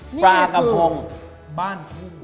นี่คือบ้านทุ่ง